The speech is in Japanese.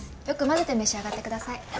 よくまぜて召し上がってください。